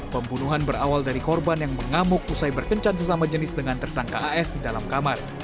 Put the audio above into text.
pembunuhan berawal dari korban yang mengamuk usai berkencan sesama jenis dengan tersangka as di dalam kamar